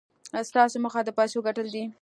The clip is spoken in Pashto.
ستاسې موخه د پيسو ګټل دي.